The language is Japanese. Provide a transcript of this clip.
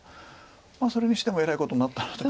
それにしてもえらいことになったなと。